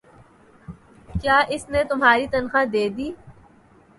۔کیا اس نے تمہار تنخواہ دیدی؟